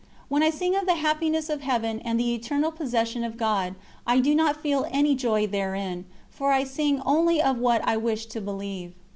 When I sing of the happiness of Heaven and the eternal possession of God, I do not feel any joy therein, for I sing only of what I wish to believe.